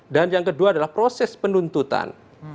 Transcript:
dan yang kedua adalah proses penuntutan